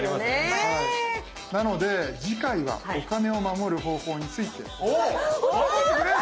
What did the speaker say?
なので次回は「お金をまもる方法」について。教えて下さい！